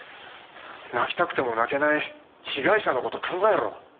泣きたくても泣けない被害者の事考えろ！